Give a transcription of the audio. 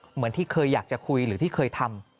เหมือนที่เคยอยากจะคุยหรือที่เคยทำ